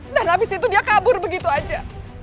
dan abis itu dia kabur begitu aja